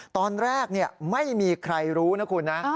ตอนแรกไม่มีใครรู้นะคุณนะ